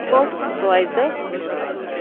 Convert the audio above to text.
ސްޕޯރޓްސް ސުޕަރވައިޒަރ